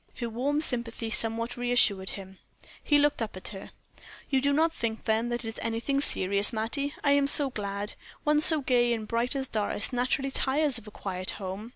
Her warm sympathy somewhat reassured him. He looked up at her. "You do not think, then, that it is anything serious, Mattie? I am so glad. One so gay and bright as Doris naturally tires of a quiet home."